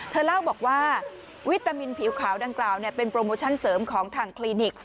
เธอเล่าบอกว่าวิตามินผิวขาวดังกล่าวเป็นโปรโมชั่นเสริมของทางคลินิก